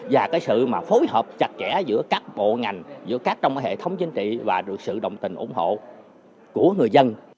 và cái sự phối hợp chặt chẽ giữa các bộ ngành giữa các trong hệ thống chính trị và được sự đồng tình ủng hộ của người dân